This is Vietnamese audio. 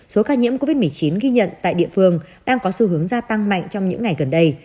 số ca nhiễm covid một mươi chín ghi nhận tại địa phương đang có xu hướng gia tăng mạnh trong những ngày gần đây